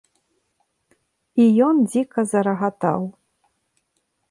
І ён дзіка зарагатаў.